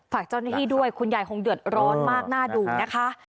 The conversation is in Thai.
ฝากเจ้าหน้าที่ด้วยคุณยายคงเดือดร้อนมากน่าดูนะคะ